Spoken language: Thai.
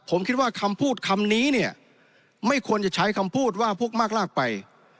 ผมคิดว่าคำพูดคำนี้เนี่ยไม่ควรจะใช้คำพูดว่าพวกมากลากไป